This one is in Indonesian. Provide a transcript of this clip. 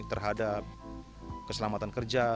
terhadap keselamatan kerja